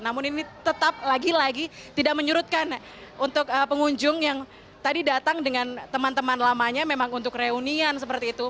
namun ini tetap lagi lagi tidak menyurutkan untuk pengunjung yang tadi datang dengan teman teman lamanya memang untuk reunian seperti itu